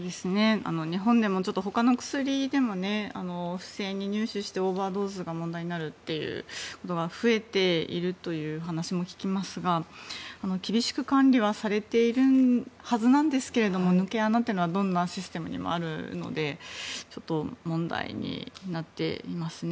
日本でも、ほかの薬でも不正に入手してオーバードーズが問題になるということが増えているという話も聞きますが、厳しく管理はされているはずなんですが抜け穴というのはどんなシステムにもあるので問題になっていますね。